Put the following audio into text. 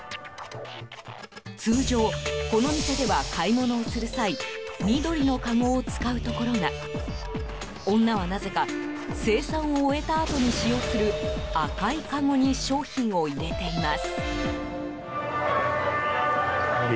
通常、この店では買い物をする際緑のかごを使うところが女はなぜか精算を終えたあとに使用する赤いかごに商品を入れています。